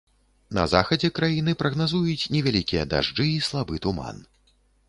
На захадзе краіны прагназуюць невялікія дажджы і слабы туман.